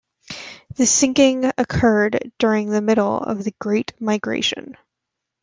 The sinking occurred during the middle of the Great Migration.